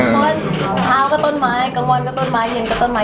เพราะเช้าก็ต้นไม้กลางวันก็ต้นไม้เย็นก็ต้นไม้